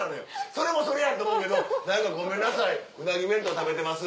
それもそれやと思うけど「何かごめんなさいうなぎ弁当食べてます。